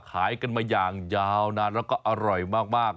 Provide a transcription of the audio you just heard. ขายกันมาอย่างยาวนานแล้วก็อร่อยมาก